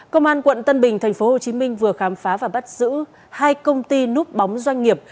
công an quận tân bình tp hcm vừa khám phá và bắt giữ hai công ty núp bóng doanh nghiệp